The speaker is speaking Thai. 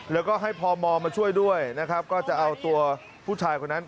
แล้วก็ให้พมมาช่วยด้วยนะครับก็จะเอาตัวผู้ชายคนนั้น